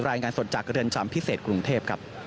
รายงานสดจากเรือนจำพิเศษกรุงเทพครับ